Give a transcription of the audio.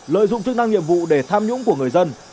lợi dụng chức năng nhiệm vụ để tham nhũng của người dân